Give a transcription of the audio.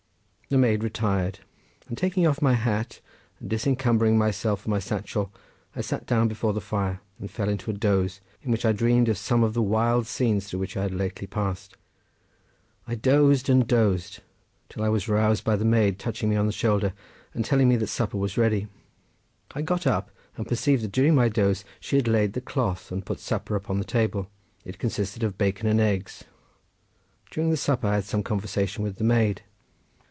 The maid retired, and taking off my hat, and disencumbering myself of my satchel I sat down before the fire and fell into a doze, in which I dreamed of some of the wild scenes through which I had lately passed. I dozed and dozed till I was roused by the maid touching me on the shoulder and telling me that supper was ready. I got up and perceived that during my doze she had laid the cloth and put supper upon the table. It consisted of bacon and eggs. During supper I had some conversation with the maid.